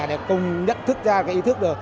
để cùng nhận thức ra cái ý thức